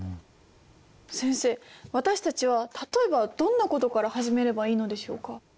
先生私たちは例えばどんなことから始めればいいのでしょうか？